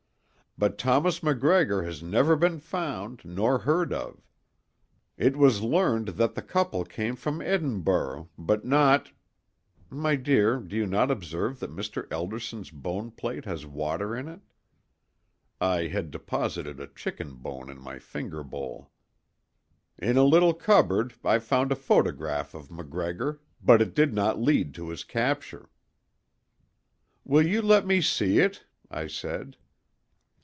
But Thomas MacGregor has never been found nor heard of. It was learned that the couple came from Edinburgh, but not—my dear, do you not observe that Mr. Elderson's boneplate has water in it?" I had deposited a chicken bone in my finger bowl. "In a little cupboard I found a photograph of MacGregor, but it did not lead to his capture." "Will you let me see it?" I said.